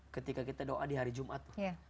ketika kita doa di hari jumat